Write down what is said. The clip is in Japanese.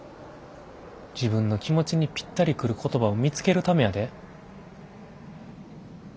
自分の気持ちにぴったり来る言葉を見つけるためやで。